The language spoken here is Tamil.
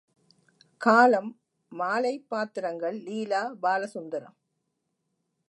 காலம் மாலை பாத்திரங்கள் லீலா, பாலசுந்தரம்.